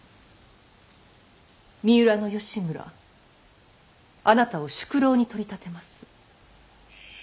三浦義村あなたを宿老に取り立てます。